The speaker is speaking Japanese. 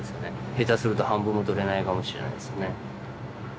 下手すると半分もとれないかもしれないっすね。